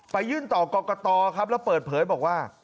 ไปยื่นต่อกรกกะตอแล้วเปิดเผยบอกว่า